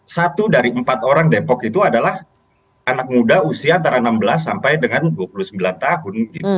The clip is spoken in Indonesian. satu dari empat orang depok itu adalah anak muda usia antara enam belas sampai dengan dua puluh sembilan tahun